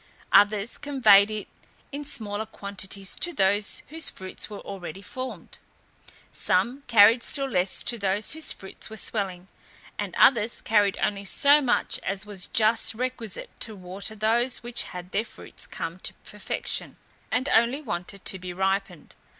Others conveyed it in smaller quantities to those whose fruits were already formed: some carried still less to those whose fruits were swelling, and others carried only so much as was just requisite to water those which had their fruits come to perfection, and only wanted to be ripened.